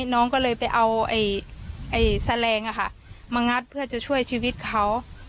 น้องก็เลยไปเอาแสลงมางัดเพื่อจะช่วยชีวิตเขา